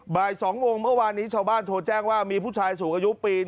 บ่าย๒โมงเมื่อวานนี้ชาวบ้านโทรแจ้งว่ามีผู้ชายสูงอายุปีน